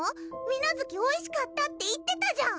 水無月おいしかったって言ってたじゃん！